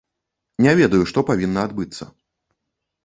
Не ведаю, што павінна адбыцца.